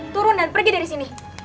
turun dan pergi dari sini